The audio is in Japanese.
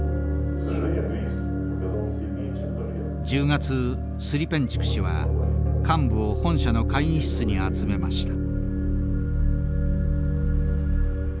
１０月スリペンチュク氏は幹部を本社の会議室に集めました。